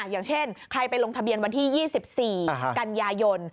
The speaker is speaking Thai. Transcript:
อย่างเช่นใครไปลงทะเบียนวันที่๒๔กันยายน